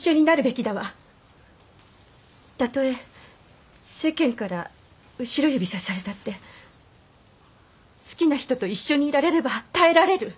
たとえ世間から後ろ指さされたって好きな人と一緒にいられれば耐えられる。